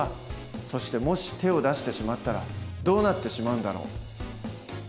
そしてもし手を出してしまったらどうなってしまうんだろう？